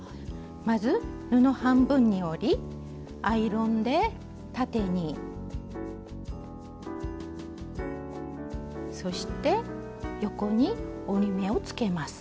まず布半分に折りアイロンで縦にそして横に折り目をつけます。